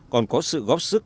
còn có sự góp sức